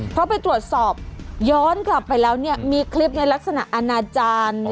เพราะไปตรวจสอบย้อนกลับไปแล้วเนี่ยมีคลิปในลักษณะอนาจารย์